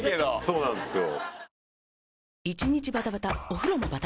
そうなんですよ。